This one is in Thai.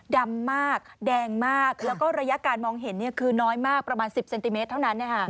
ดำมากแดงมากแล้วก็ระยะการมองเห็นคือน้อยมากประมาณ๑๐เซนติเมตรเท่านั้น